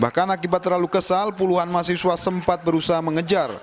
bahkan akibat terlalu kesal puluhan mahasiswa sempat berusaha mengejar